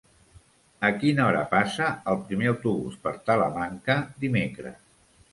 A quina hora passa el primer autobús per Talamanca dimecres?